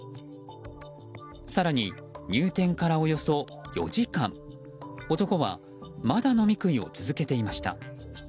更に、入店からおよそ４時間男はまだ飲み食いを続けていました。